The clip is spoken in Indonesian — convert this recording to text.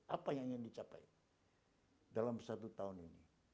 apa yang ingin dicapai dalam satu tahun ini